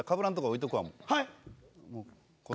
置いとくわ。